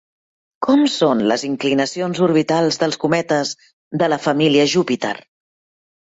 Com són les inclinacions orbitals dels cometes de la família Júpiter?